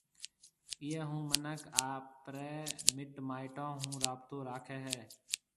ايئيَ ھون منک آپرَي مِٽ مائيٽون ھون رابطو راکيَ ھيََََ